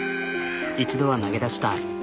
１度は投げ出した。